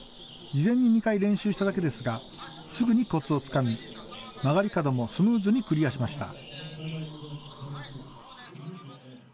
事前に２回練習しただけですがすぐにこつをつかみ、曲がり角もスムーズにクリアしました。